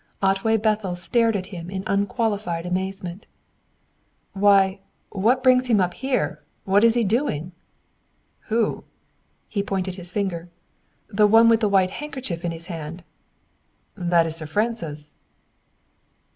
Otway Bethel stared at him in unqualified amazement. "Why, what brings him here? What is he doing?" "Who?" He pointed his finger. "The one with the white handkerchief in his hand." "That is Sir Francis."